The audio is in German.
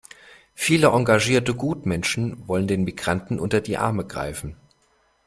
Viele engagierte Gutmenschen wollen den Migranten unter die Arme greifen.